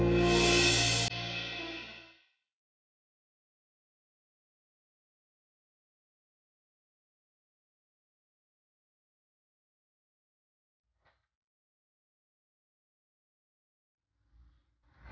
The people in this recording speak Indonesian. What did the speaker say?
dia nggak mau